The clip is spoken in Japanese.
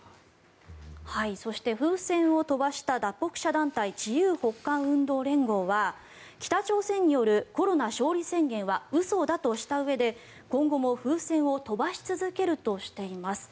そして、風船を飛ばした脱北者団体自由北韓運動連合は北朝鮮によるコロナ勝利宣言は嘘だとしたうえで今後も風船を飛ばし続けるとしています。